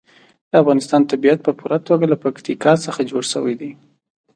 د افغانستان طبیعت په پوره توګه له پکتیکا څخه جوړ شوی دی.